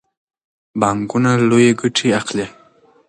بانکونه لویې ګټې اخلي.